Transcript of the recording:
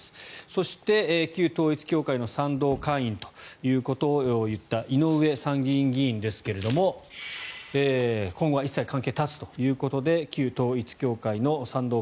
そして、旧統一教会の賛同会員ということを言った井上参議院議員ですが今後は一切関係を絶つということで旧統一教会の賛同